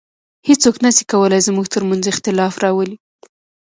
هیڅوک نسي کولای زموږ تر منځ اختلاف راولي